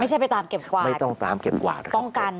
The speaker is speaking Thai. ไม่ใช่ไปตามเก็บขวาดป้องกัน